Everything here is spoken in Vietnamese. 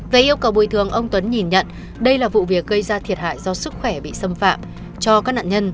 về yêu cầu bồi thường ông tuấn nhìn nhận đây là vụ việc gây ra thiệt hại do sức khỏe bị xâm phạm cho các nạn nhân